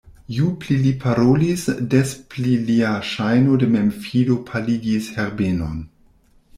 Ju pli li parolis, des pli lia ŝajno de memfido paligis Herbenon.